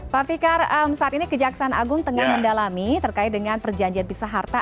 pak fikar saat ini kejaksaan agung tengah mendalami terkait dengan perjanjian pisa harta